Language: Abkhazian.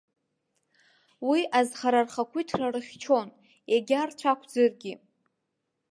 Уи азхара рхақәиҭра рыхьчон, егьа рцәақәӡыргьы.